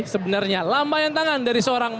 sebenarnya lambaian tangan dari seorang